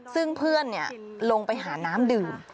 ซึ่งเพื่อนลงไปหาน้ำดื่ม